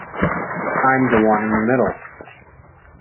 I'm the one in the middle.